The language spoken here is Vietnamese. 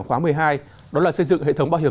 khóa một mươi hai đó là xây dựng hệ thống bảo hiểm